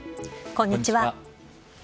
こんにちは。